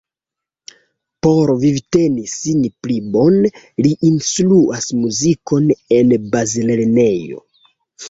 Por vivteni sin pli bone, li instruas muzikon en bazlernejo.